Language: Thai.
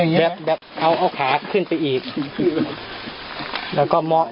โอเคแบบแบบเขาเอาขาขึ้นไปอีก